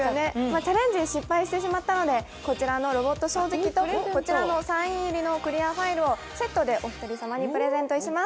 チャレンジ失敗してしまったのでこちらのロボット掃除機とこちらのサイン入りのクリアファイルをセットでお一人様にプレゼントします。